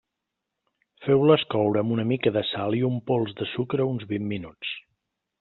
Feu-les coure amb una mica de sal i un pols de sucre uns vint minuts.